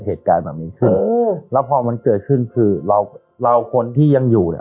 เหตุการณ์แบบนี้ขึ้นอืมแล้วพอมันเกิดขึ้นคือเราเราคนที่ยังอยู่เนี่ย